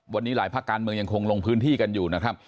วันนี้หลายภาคการเมืองยังคงลงพื้นที่กันอยู่นะครับ